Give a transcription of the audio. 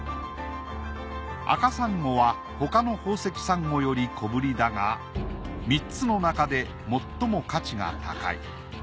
アカサンゴはほかの宝石サンゴより小ぶりだが３つのなかで最も価値が高い。